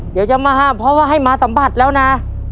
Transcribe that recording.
เดี๋ยวจะมาห้ามเพราะว่าให้มาสัมผัสแล้วนะ